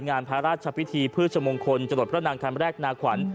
งานพระราชพิธีพืชมงคลจรดพระนางคันแรกนาขวัญ